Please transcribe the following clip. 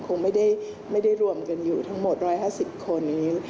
คงไม่ได้รวมกันอยู่ทั้งหมด๑๕๐คนนี้